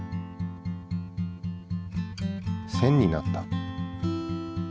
線になった。